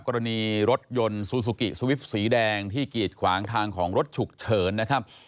กรณีรถยนต์ซูซูกิสวิปสีแดงที่กีดขวางทางของรถฉุกเฉินนะครับ